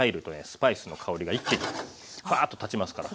スパイスの香りが一気にバアーッとたちますから。